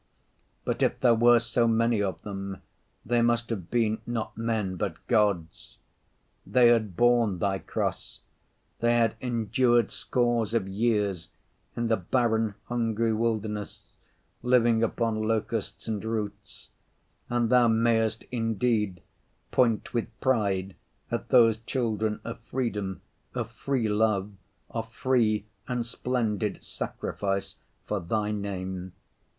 But if there were so many of them, they must have been not men but gods. They had borne Thy cross, they had endured scores of years in the barren, hungry wilderness, living upon locusts and roots—and Thou mayest indeed point with pride at those children of freedom, of free love, of free and splendid sacrifice for Thy name.